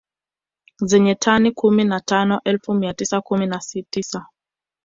Zenye tani kumi na tano elfu mia tisa kumi na tisa